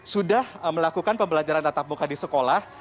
sudah melakukan pembelajaran tatap muka di sekolah